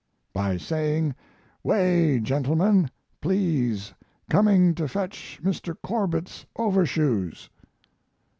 By saying: "Way, gentlemen, please coming to fetch Mr. Corbett's overshoes."